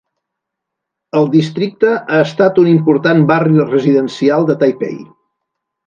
El districte ha estat un important barri residencial de Taipei.